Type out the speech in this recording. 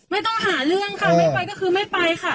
ไม่ต้องหาเรื่องค่ะไม่ไปก็คือไม่ไปค่ะ